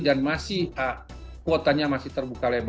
dan masih kuotanya masih terbuka lebih